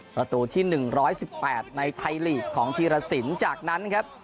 ประตูที่๑๑๘ในไทยลีกของธีรสินจากนั้นครับ